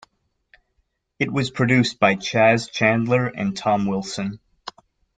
It was produced by Chas Chandler and Tom Wilson.